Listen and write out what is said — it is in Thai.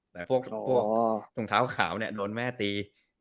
แต่พวกถุงเท้าขาวเนี่ยโดนแม่ตี